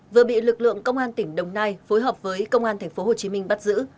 vừa bị lực lượng công an tỉnh đồng nai phối hợp với công an tp hcm bắt giữ